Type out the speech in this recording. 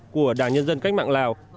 của đảng nhân dân cách mạng lào